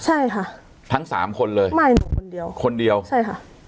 ใช่ค่ะทั้งสามคนเลยไม่หนูคนเดียวคนเดียวใช่ค่ะ